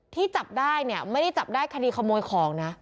จับได้เนี่ยไม่ได้จับได้คดีขโมยของนะ